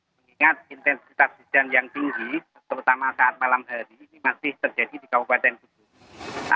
mengingat intensitas hujan yang tinggi terutama saat malam hari ini masih terjadi di kabupaten kudus